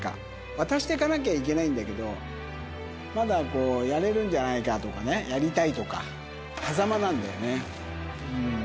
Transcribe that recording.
渡していかなきゃいけないんだけど、まだやれるんじゃないかとかね、やりたいとか、はざまなんだよね。